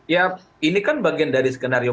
ya ini kan bagian dari skenario